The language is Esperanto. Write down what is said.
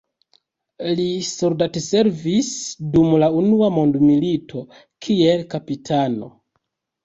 Li soldatservis dum la unua mondmilito kiel kapitano.